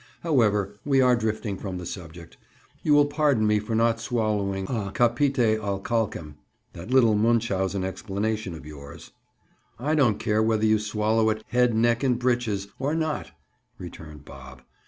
However, we are drifting from the subject. You will pardon me for not swallowing, a capite ad calcem, that little Münchhausen explanation of yours." "I don't care whether you swallow it head, neck and breeches, or not," returned Bob.